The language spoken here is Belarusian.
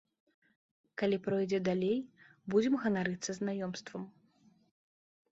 Калі пройдзе далей, будзем ганарыцца знаёмствам.